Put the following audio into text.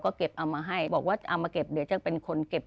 ก็เก็บเอามาให้บอกว่าเอามาเก็บเดี๋ยวจะเป็นคนเก็บ